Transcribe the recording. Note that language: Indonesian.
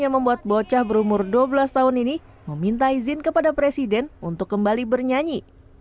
yang membuat bocah berumur dua belas tahun ini meminta izin kepada presiden untuk kembali bernyanyi